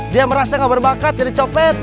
dia merasa gak berbakat jadi copet